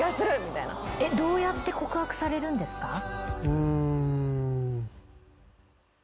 うん。